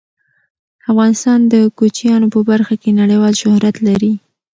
افغانستان د کوچیانو په برخه کې نړیوال شهرت لري.